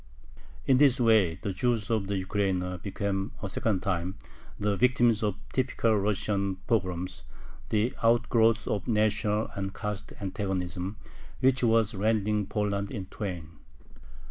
In this way the Jews of the Ukraina became a second time the victims of typical Russian pogroms, the outgrowth of national and caste antagonism, which was rending Poland in twain.